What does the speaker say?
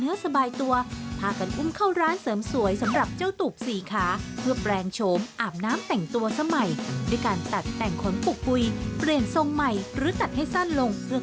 เดี๋ยวเขามีวิธีการในการคายร้อนอย่างไรบ้างครับ